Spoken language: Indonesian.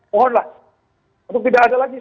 mohonlah untuk tidak ada lagi